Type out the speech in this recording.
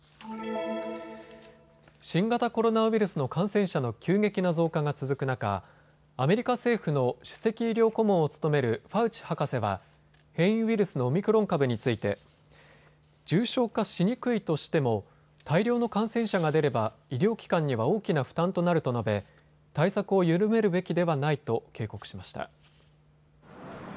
新型コロナウイルスの感染者の急激な増加が続く中、アメリカ政府の首席医療顧問を務めるファウチ博士は変異ウイルスのオミクロン株について重症化しにくいとしても大量の感染者が出れば医療機関には大きな負担となると述べ対策を緩めるべきではないと警告しました。